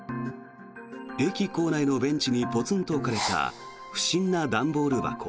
駅構内のベンチにポツンと置かれた不審な段ボール箱。